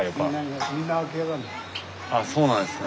ああそうなんですね。